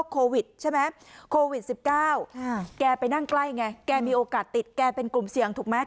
แกไปนั่งใกล้ไงแกมีโอกาสติดแกเป็นกรุ่มเสี่ยงถูกไหม